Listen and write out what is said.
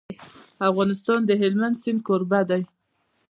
افغانستان د هلمند سیند کوربه دی.